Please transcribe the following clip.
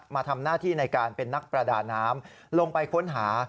มาทำหน้าที่ในการเป็นนักประดาน้ำลงไปค้นหา